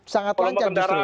sangat lancar justru ya